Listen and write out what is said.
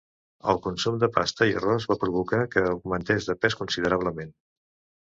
El consum de pasta i arròs va provocar que augmentés de pes considerablement.